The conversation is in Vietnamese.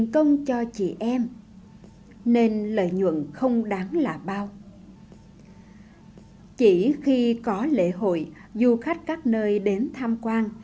không cho chị em nên lợi nhuận không đáng là bao chỉ khi có lễ hội du khách các nơi đến tham quan